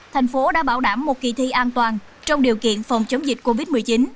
thành phố đã bảo đảm một kỳ thi an toàn trong điều kiện phòng chống dịch covid một mươi chín